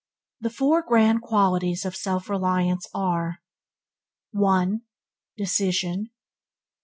The four grand qualities of self reliance are: 1. Decision 2.